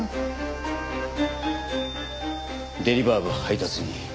デリバー部配達員